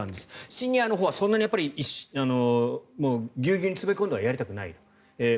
シニアのほうはそんなにぎゅうぎゅうに詰め込んではやりたくない。